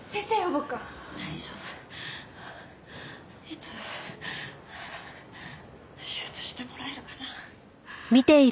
いつ手術してもらえるかな？